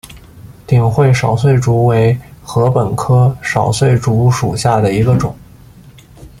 鼎湖少穗竹为禾本科少穗竹属下的一个种。